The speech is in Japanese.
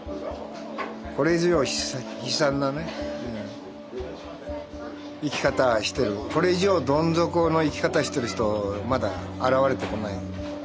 これ以上悲惨なね生き方してるこれ以上どん底の生き方してる人まだ現れてこない。